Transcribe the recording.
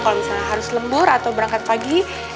kalau misalnya harus lembur atau berangkat pagi